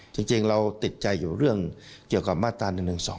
จริงเราติดใจอยู่เรื่องเกี่ยวกับมาตรา๑๑๒